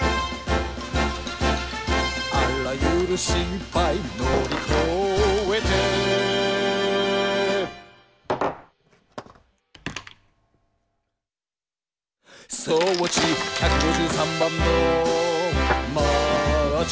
「あらゆるしっぱいのりこえてー」「装置１５３番のマーチ」